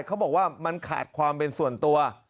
เขาบอกว่ามันขาดความเป็นส่วนตัว